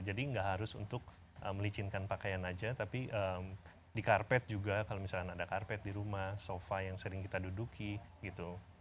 jadi gak harus untuk melicinkan pakaian aja tapi di karpet juga kalau misalkan ada karpet di rumah sofa yang sering kita duduki gitu